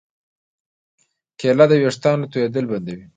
کېله د ویښتانو تویېدل بندوي.